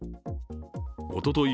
おととい